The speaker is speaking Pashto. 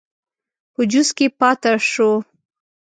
په جوش کې پاته شو.